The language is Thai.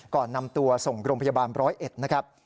ก่อนนำตัวส่งโรงพยาบาลร้อยเอ็ดนะครับ